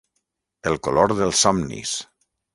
El color dels somnis”.